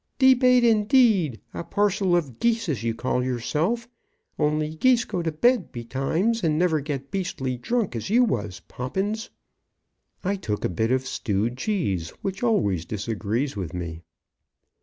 "Debate, indeed! A parcel of geese as you call yourself! Only geese go to bed betimes, and never get beastly drunk as you was, Poppins." "I took a bit of stewed cheese, which always disagrees with me."